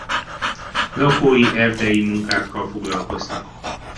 Lakói erdei munkákkal foglalkoztak.